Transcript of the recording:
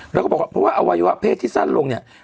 แล้วก็บอกว่าเพราะว่าอวัยวะเพศที่สั้นลงเนี่ย